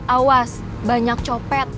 awas banyak copet